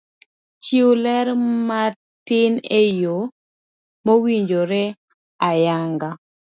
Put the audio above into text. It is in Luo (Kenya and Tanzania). Chiw ler matin eyo mawinjore ayanga